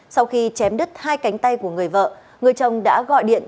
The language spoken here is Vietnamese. sau khi chém đứt hai cánh tay của người vợ người chồng đã gọi điện